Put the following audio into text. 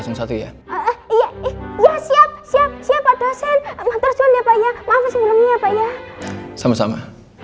siap siap siap pak dosen mantap suami ya pak ya maaf sebelumnya pak ya sama sama